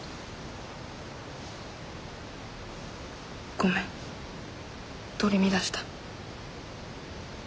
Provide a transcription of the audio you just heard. ごめん取り乱した。